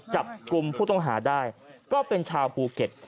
จับกลุ่มผู้ต้องหาได้ก็เป็นชาวภูเก็ต